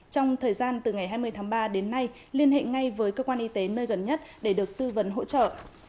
trong thời gian từ ngày hai mươi tháng ba đến nay liên hệ ngay với cơ quan y tế nơi gần nhất để được tư vấn hỗ trợ